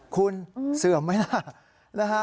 คุณเสื่อมไหมนะ